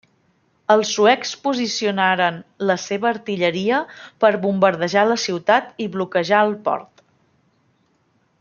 Els suecs posicionaren la seva artilleria per bombardejar la ciutat i bloquejar el port.